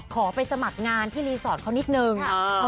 ขอไปสมัครงานที่รีสอร์ทเขานิดนึง